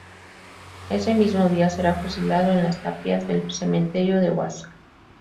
Ese mismo día será fusilado en las tapias del cementerio de Huesca.